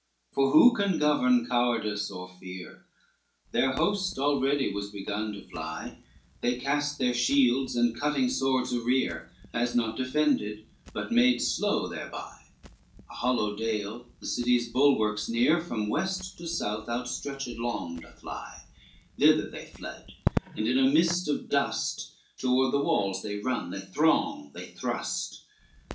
XCV For who can govern cowardice or fear? Their host already was begun to fly, They cast their shields and cutting swords arrear, As not defended but made slow thereby, A hollow dale the city's bulwarks near From west to south outstretched long doth lie, Thither they fled, and in a mist of dust, Toward the walls they run, they throng, they thrust.